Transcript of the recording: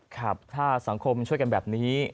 ครับถ้าสังคมช่วยกันแบบนี้